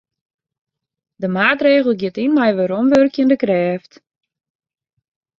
De maatregel giet yn mei weromwurkjende krêft.